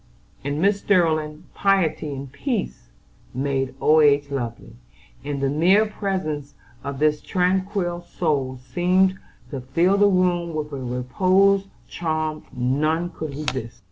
In Mrs. Sterling, piety and peace made old age lovely, and the mere presence of this tranquil soul seemed to fill the room with a reposeful charm none could resist.